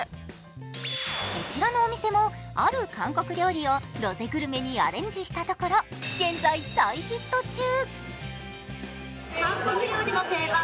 こちらのお店も、ある韓国料理をロゼグルメにアレンジしたところ現在、大ヒット中。